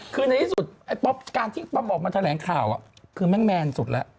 คือในที่สุดไอ้ป๊อปการที่ป๊อปออกมาแถลงข่าวคือแม่งแมนสุดแล้ว